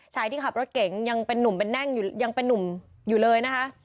ชายที่ขับรถเก่งยังเป็นนุ่มอยู่เลยนะคะ